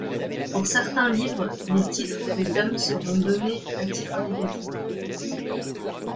Pour certains livres les titres des tomes seront donnés à titre indicatif.